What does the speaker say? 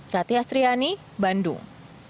rati astriani bandung